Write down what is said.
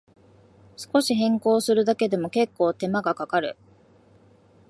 少し変更するだけでも、けっこう手間がかかる